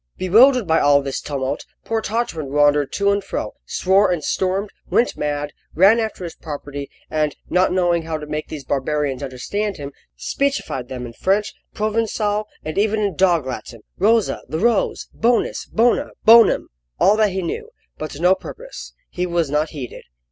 Bewildered by all this tumult, poor Tartarin wandered to and fro, swore and stormed, went mad, ran after his property, and not knowing how to make these barbarians understand him, speechified them in French, Provencal, and even in dog Latin: "Rosa, the rose; bonus, bona, bonum!" all that he knew but to no purpose. He was not heeded.